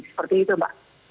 seperti itu mbak